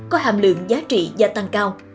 có hàm lượng giá trị gia tăng cao